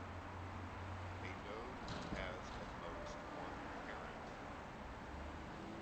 A node has at most one parent.